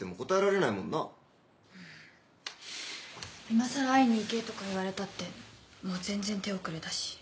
今更会いに行けとか言われたってもう全然手遅れだし。